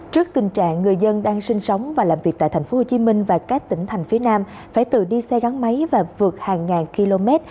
trước tình trạng người dân đang sinh sống và làm việc tại tp hcm và các tỉnh thành phía nam phải tự đi xe gắn máy và vượt hàng ngàn km